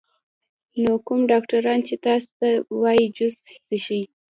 نو کوم ډاکټران چې تاسو ته وائي جوس څښئ